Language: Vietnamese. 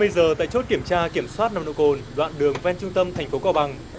hai mươi giờ tại chốt kiểm tra kiểm soát nồng độ cồn đoạn đường ven trung tâm thành phố cao bằng